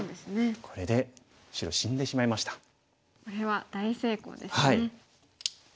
これは大成功ですね。